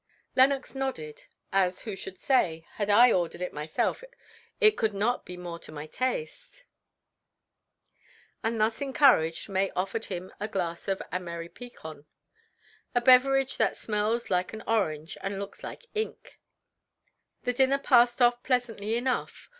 Lenox nodded, as who should say, had I ordered it myself it could not be more to my taste, and thus encouraged, May offered him a glass of Amer Picon, a beverage that smells like an orange and looks like ink. The dinner passed off pleasantly enough.